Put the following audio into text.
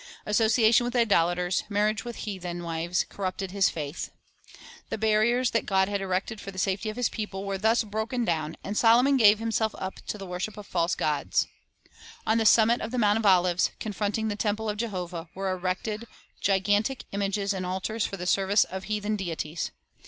Association with idolaters, marriage with heathen wives, corrupted his faith. The barriers that God had erected for the safety of His people were thus broken down, and Solomon gave himself up to the worship of false gods. On the summit of the Mount of Olives, confronting the temple of Jehovah, were erected gigan tic images and altars for the service of heathen deities.